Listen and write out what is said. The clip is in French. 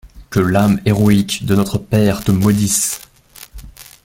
Que l'âme héroïque de notre père te maudisse!